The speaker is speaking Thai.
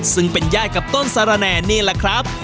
ซึ่งเป็นย่ายกับต้นสารแน่เนี่ยล่ะครับ